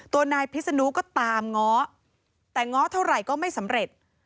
ตัวนายพิษนุก็ตามง้อแต่ง้อเท่าไหร่ก็ไม่สำเร็จ